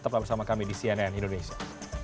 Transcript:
tetaplah bersama kami di cnn indonesia